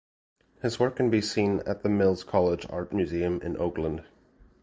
His work can be seen at the Mills College Art Museum in Oakland.